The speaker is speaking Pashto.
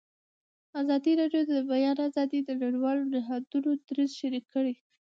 ازادي راډیو د د بیان آزادي د نړیوالو نهادونو دریځ شریک کړی.